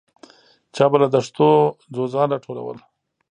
چا به له دښتو ځوځان راټولول.